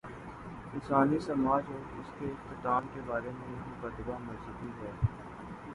انسانی سماج اور اس کے اختتام کے بارے میں ایک مقدمہ مذہبی ہے۔